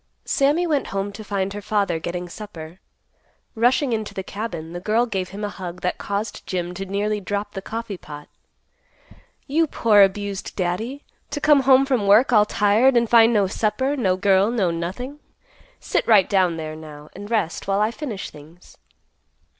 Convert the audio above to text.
Sammy went home to find her father getting supper. Rushing into the cabin, the girl gave him a hug that caused Jim to nearly drop the coffee pot. "You poor abused Daddy, to come home from work, all tired and find no supper, no girl, no nothing. Sit right down there, now, and rest, while I finish things."